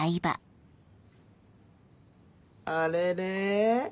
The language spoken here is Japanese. あれれ？